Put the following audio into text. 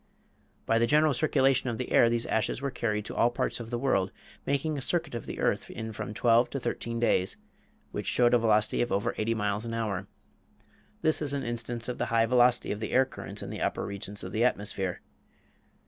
By the general circulation of the air the ashes were carried to all parts of the world, making a circuit of the earth in from twelve to thirteen days which showed a velocity of over eighty miles an hour. This is an instance of the high velocity of the air currents in the upper regions of the atmosphere.